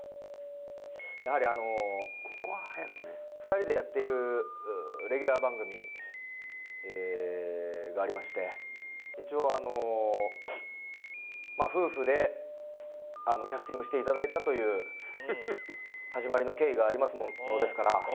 ２人でやっているレギュラー番組がありまして一応あの夫婦でキャスティングしていただいたという始まりの経緯がありますものですから。